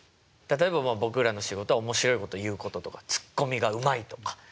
例えばまあ僕らの仕事は面白いこと言うこととかツッコミがうまいとか。